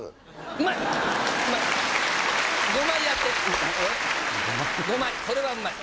うまい！